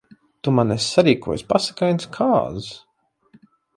Tu man esi sarīkojis pasakainas kāzas.